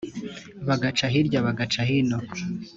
bagaca hirya bagaca hino